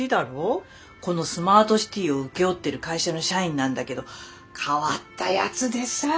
このスマートシティを請け負ってる会社の社員なんだけど変わったやつでさ。